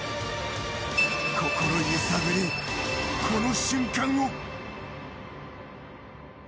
心揺さぶる、この瞬間を。